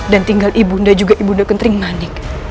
dan tinggal ibunda juga ibunda kentering manik